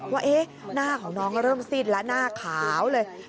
ว่าหน้าของน้องก็เริ่มสิ้นแล้วหน้าขาวเลย